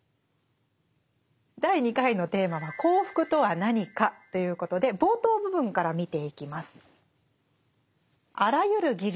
第２回のテーマは「幸福とは何か」ということで冒頭部分から見ていきます。